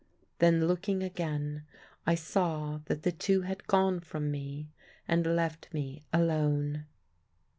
Then looking again I saw that the two had gone from me and left me alone.